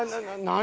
何？